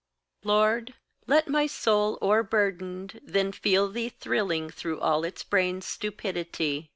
Lord, let my soul o'erburdened then feel thee Thrilling through all its brain's stupidity.